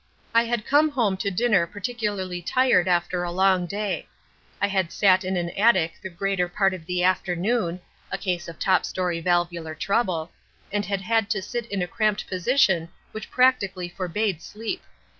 I had come home to dinner particularly tired after a long day. I had sat in an attic the greater part of the afternoon (a case of top story valvular trouble) and had had to sit in a cramped position which practically forbade sleep.